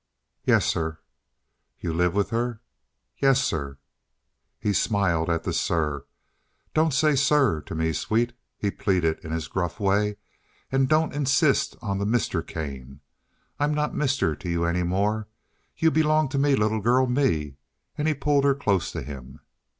"Yes, sir." "You live with her?" "Yes, sir." He smiled at the "sir." "Don't say 'sir' to me, sweet!" he pleaded in his gruff way. "And don't insist on the Mr. Kane. I'm not 'mister' to you any more. You belong to me, little girl, me." And he pulled her close to him.